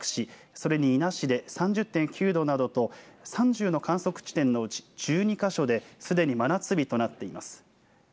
それに伊那市で３０．９度などと３０の観測地点のうち１２か所ですでに真夏日となっています。